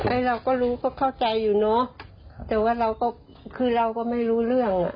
เราก็รู้ก็เข้าใจอยู่เนอะแต่ว่าเราก็คือเราก็ไม่รู้เรื่องอ่ะ